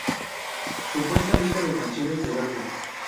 Supuesta lista de canciones del álbum.